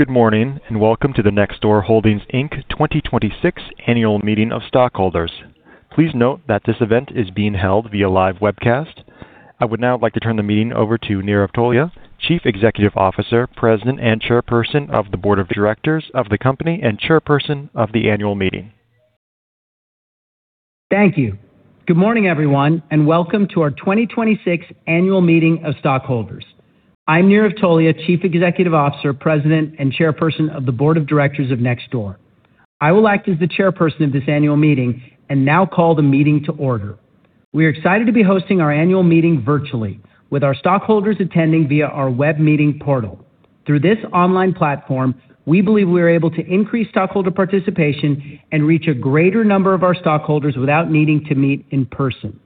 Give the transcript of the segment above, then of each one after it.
Good morning. Welcome to the Nextdoor Holdings, Inc. 2026 Annual Meeting of Stockholders. Please note that this event is being held via live webcast. I would now like to turn the meeting over to Nirav Tolia, Chief Executive Officer, President, and Chairperson of the Board of Directors of the company, and Chairperson of the annual meeting. Thank you. Good morning, everyone. Welcome to our 2026 annual meeting of stockholders. I'm Nirav Tolia, Chief Executive Officer, President, and Chairperson of the Board of Directors of Nextdoor. I will act as the chairperson of this annual meeting and now call the meeting to order. We are excited to be hosting our annual meeting virtually with our stockholders attending via our web meeting portal. Through this online platform, we believe we are able to increase stockholder participation and reach a greater number of our stockholders without needing to meet in person.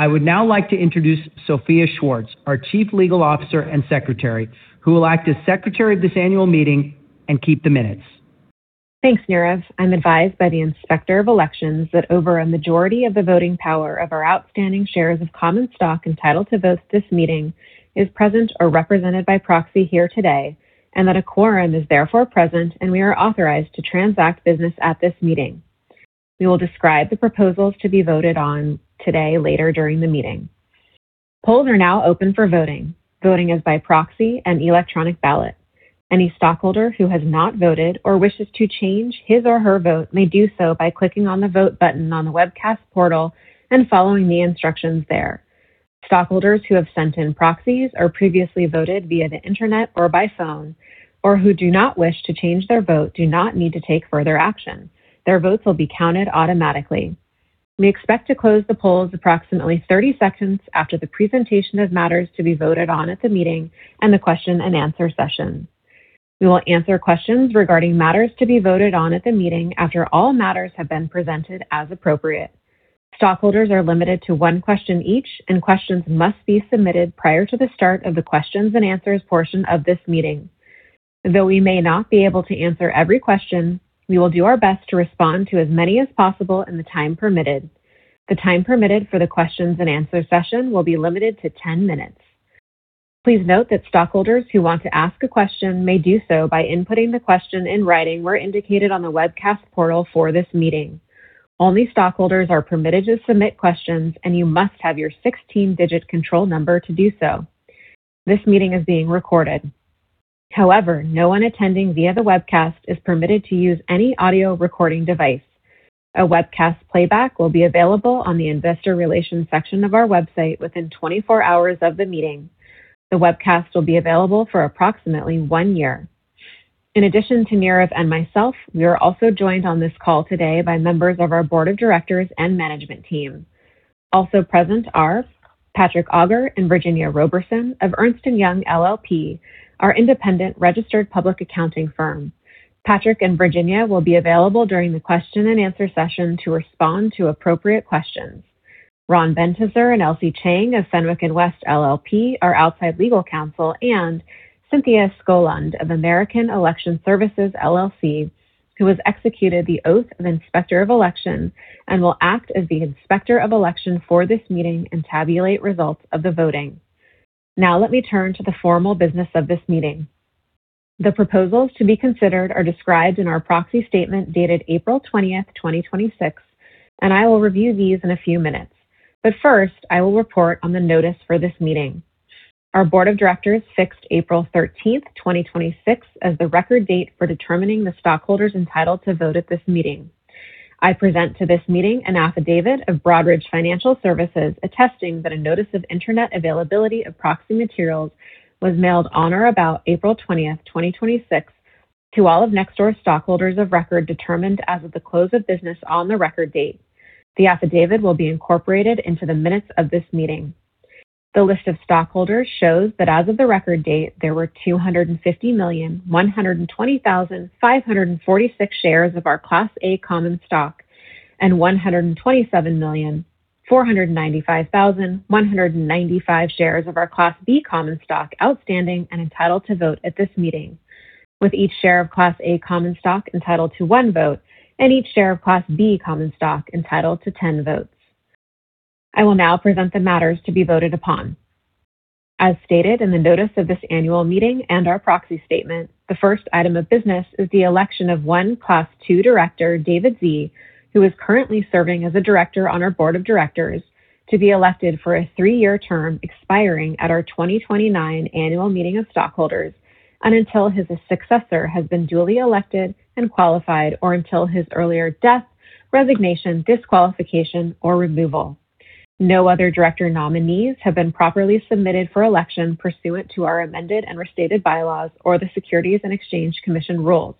I would now like to introduce Sophia Schwartz, our Chief Legal Officer and Secretary, who will act as Secretary of this annual meeting and keep the minutes. Thanks, Nirav. I'm advised by the Inspector of Elections that over a majority of the voting power of our outstanding shares of common stock entitled to vote at this meeting is present or represented by proxy here today. A quorum is therefore present, and we are authorized to transact business at this meeting. We will describe the proposals to be voted on today later during the meeting. Polls are now open for voting. Voting is by proxy and electronic ballot. Any stockholder who has not voted or wishes to change his or her vote may do so by clicking on the Vote button on the webcast portal and following the instructions there. Stockholders who have sent in proxies or previously voted via the internet or by phone or who do not wish to change their vote do not need to take further action. Their votes will be counted automatically. We expect to close the polls approximately 30 seconds after the presentation of matters to be voted on at the meeting and the question and answer session. We will answer questions regarding matters to be voted on at the meeting after all matters have been presented as appropriate. Stockholders are limited to one question each. Questions must be submitted prior to the start of the questions and answers portion of this meeting. Though we may not be able to answer every question, we will do our best to respond to as many as possible in the time permitted. The time permitted for the questions and answer session will be limited to 10 minutes. Please note that stockholders who want to ask a question may do so by inputting the question in writing where indicated on the webcast portal for this meeting. Only stockholders are permitted to submit questions, you must have your 16-digit control number to do so. This meeting is being recorded. However, no one attending via the webcast is permitted to use any audio recording device. A webcast playback will be available on the investor relations section of our website within 24 hours of the meeting. The webcast will be available for approximately one year. In addition to Nirav and myself, we are also joined on this call today by members of our board of directors and management team. Also present are Patrick Auger and Virginia Roberson of Ernst & Young LLP, our independent registered public accounting firm. Patrick and Virginia will be available during the question and answer session to respond to appropriate questions. Ran Ben-Tzur and Elsie Chang of Fenwick & West LLP, our outside legal counsel, and Cynthia Skoland of American Election Services, LLC, who has executed the oath of Inspector of Elections and will act as the Inspector of Election for this meeting and tabulate results of the voting. Let me turn to the formal business of this meeting. The proposals to be considered are described in our proxy statement dated April 20th, 2026, I will review these in a few minutes. First, I will report on the notice for this meeting. Our board of directors fixed April 13th, 2026, as the record date for determining the stockholders entitled to vote at this meeting. I present to this meeting an affidavit of Broadridge Financial Solutions attesting that a notice of internet availability of proxy materials was mailed on or about April 20th, 2026, to all of Nextdoor's stockholders of record determined as of the close of business on the record date. The affidavit will be incorporated into the minutes of this meeting. The list of stockholders shows that as of the record date, there were 250,120,546 shares of our Class A common stock and 127,495,195 shares of our Class B common stock outstanding and entitled to vote at this meeting, with each share of Class A common stock entitled to one vote and each share of Class B common stock entitled to 10 votes. I will now present the matters to be voted upon. As stated in the notice of this annual meeting and our proxy statement, the first item of business is the election of one Class II director, David Sze, who is currently serving as a director on our board of directors, to be elected for a three-year term expiring at our 2029 annual meeting of stockholders and until his successor has been duly elected and qualified or until his earlier death, resignation, disqualification, or removal. No other director nominees have been properly submitted for election pursuant to our amended and restated bylaws or the Securities and Exchange Commission rules.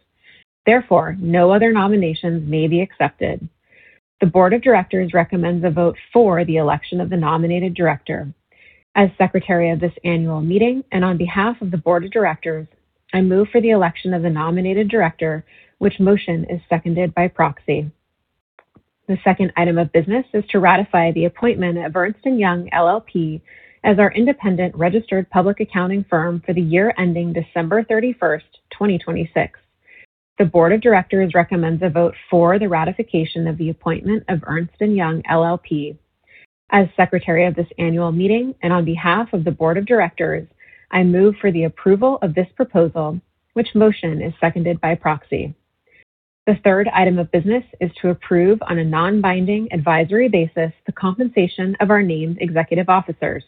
Therefore, no other nominations may be accepted. The board of directors recommends a vote for the election of the nominated director. As secretary of this annual meeting and on behalf of the board of directors, I move for the election of the nominated director, which motion is seconded by proxy. The second item of business is to ratify the appointment of Ernst & Young LLP as our independent registered public accounting firm for the year ending December 31st, 2026. The Board of Directors recommends a vote for the ratification of the appointment of Ernst & Young LLP as Secretary of this annual meeting, and on behalf of the Board of Directors, I move for the approval of this proposal, which motion is seconded by proxy. The third item of business is to approve on a non-binding advisory basis the compensation of our named executive officers.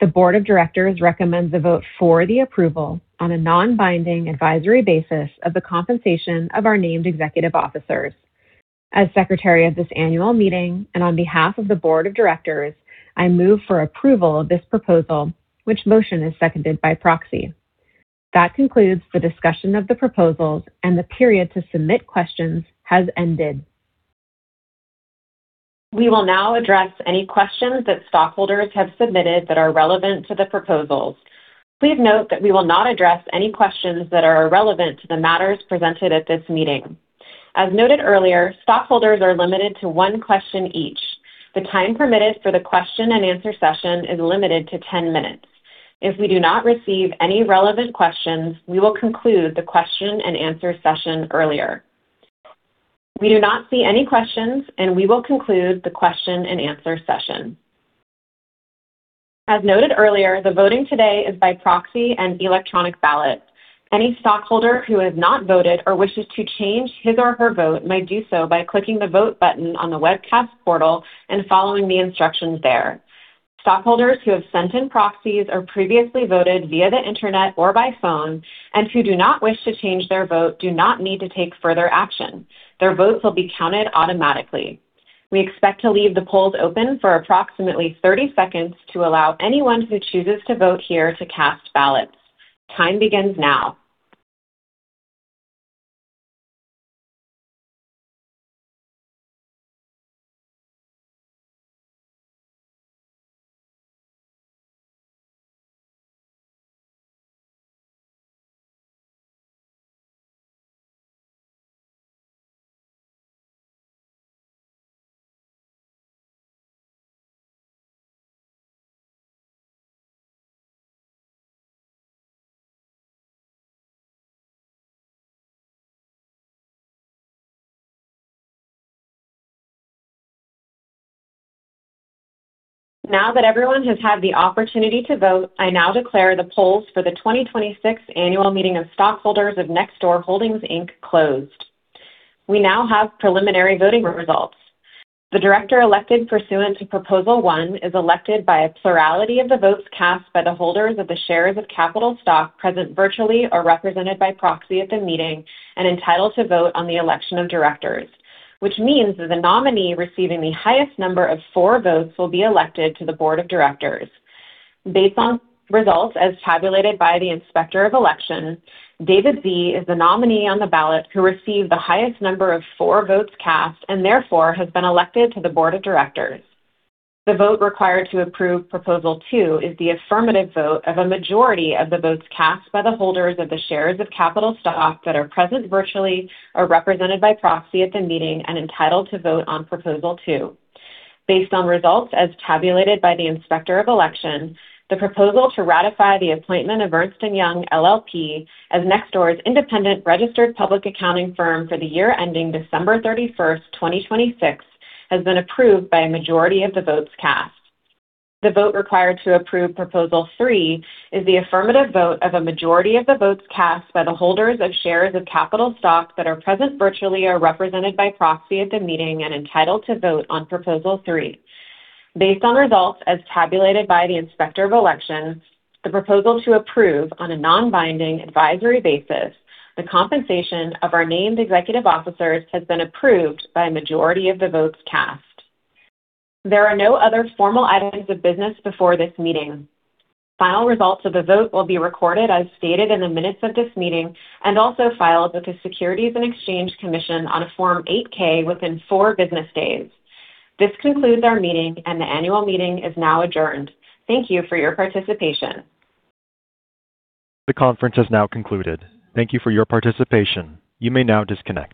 The Board of Directors recommends a vote for the approval on a non-binding advisory basis of the compensation of our named executive officers. As Secretary of this annual meeting, and on behalf of the Board of Directors, I move for approval of this proposal, which motion is seconded by proxy. That concludes the discussion of the proposals. The period to submit questions has ended. We will now address any questions that stockholders have submitted that are relevant to the proposals. Please note that we will not address any questions that are irrelevant to the matters presented at this meeting. As noted earlier, stockholders are limited to one question each. The time permitted for the question and answer session is limited to 10 minutes. If we do not receive any relevant questions, we will conclude the question and answer session earlier. We do not see any questions. We will conclude the question and answer session. As noted earlier, the voting today is by proxy and electronic ballot. Any stockholder who has not voted or wishes to change his or her vote may do so by clicking the Vote button on the webcast portal and following the instructions there. Stockholders who have sent in proxies or previously voted via the internet or by phone and who do not wish to change their vote do not need to take further action. Their votes will be counted automatically. We expect to leave the polls open for approximately 30 seconds to allow anyone who chooses to vote here to cast ballots. Time begins now. Now that everyone has had the opportunity to vote, I now declare the polls for the 2026 annual meeting of stockholders of Nextdoor Holdings, Inc. closed. We now have preliminary voting results. The director elected pursuant to proposal one is elected by a plurality of the votes cast by the holders of the shares of capital stock present virtually or represented by proxy at the meeting and entitled to vote on the election of directors, which means that the nominee receiving the highest number of for votes will be elected to the Board of Directors. Based on results as tabulated by the Inspector of Elections, David Sze is the nominee on the ballot who received the highest number of for votes cast and therefore has been elected to the Board of Directors. The vote required to approve proposal two is the affirmative vote of a majority of the votes cast by the holders of the shares of capital stock that are present virtually or represented by proxy at the meeting and entitled to vote on proposal two. Based on results as tabulated by the Inspector of Elections, the proposal to ratify the appointment of Ernst & Young LLP as Nextdoor's independent registered public accounting firm for the year ending December 31st, 2026, has been approved by a majority of the votes cast. The vote required to approve proposal three is the affirmative vote of a majority of the votes cast by the holders of shares of capital stock that are present virtually or represented by proxy at the meeting and entitled to vote on proposal three. Based on results as tabulated by the Inspector of Elections, the proposal to approve on a non-binding advisory basis the compensation of our named executive officers has been approved by a majority of the votes cast. There are no other formal items of business before this meeting. Final results of the vote will be recorded as stated in the minutes of this meeting and also filed with the Securities and Exchange Commission on a Form 8-K within four business days. This concludes our meeting. The annual meeting is now adjourned. Thank you for your participation. The conference has now concluded. Thank you for your participation. You may now disconnect.